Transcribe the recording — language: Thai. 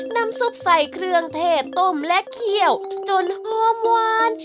น้ำซุปใส่เครื่องเทพต้มและเคี่ยวจนหอมหวาน